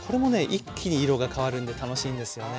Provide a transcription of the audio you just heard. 一気に色が変わるんで楽しいんですよね。